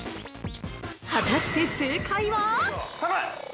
◆果たして正解は？